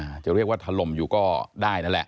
ที่จะเรียกว่าถล่มอยู่ก็ได้